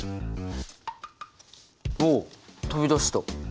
おお飛び出した！